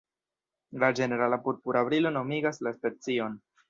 La ĝenerala purpura brilo nomigas la specion.